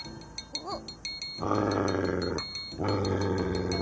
あっ！